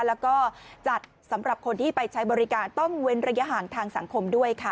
แล้วก็จัดสำหรับคนที่ไปใช้บริการต้องเว้นระยะห่างทางสังคมด้วยค่ะ